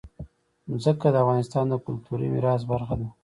ځمکه د افغانستان د کلتوري میراث برخه ده.